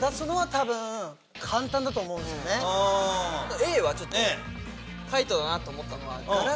Ａはちょっと海人だなと思ったのは。